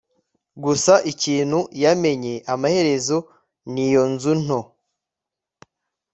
gusa ikintu yamenye amaherezo ni iyo nzu nto